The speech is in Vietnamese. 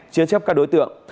chứa chấp các đối tượng